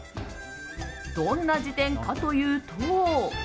どんな辞典かというと。